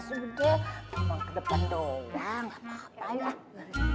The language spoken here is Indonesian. oke rum ke depan doang gak apa apa ya